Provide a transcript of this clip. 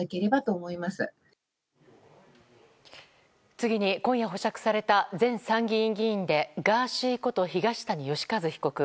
次に、今夜保釈された前参議院議員でガーシーこと東谷義和被告。